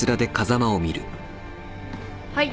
はい。